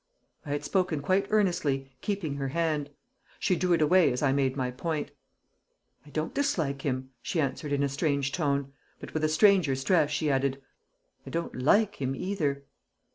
I had spoken quite earnestly, keeping her hand; she drew it away as I made my point. "I don't dislike him," she answered in a strange tone; but with a stranger stress she added, "I don't like him either."